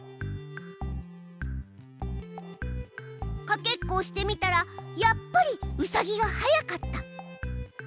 かけっこをしてみたらやっぱりうさぎが速かった。